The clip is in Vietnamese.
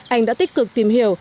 anh đã tích cực tìm hiểu